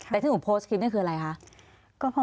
แต่ที่หนูโพสต์คลิปนี่คืออะไรคะ